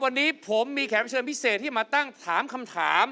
วันนี้ผมมีแขกเชิญพิเศษที่มาตั้งถามคำถาม